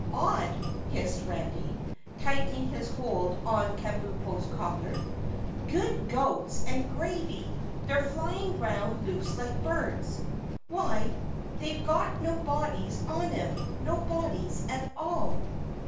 "Odd!" hissed Randy, tightening his hold on Kabumpo's collar. "Good goats and gravy! They're flying round loose like birds. Why, they've got no bodies on 'em, no bodies at all!"